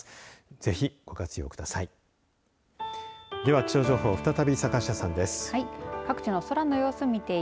ぜひ、ご活用ください。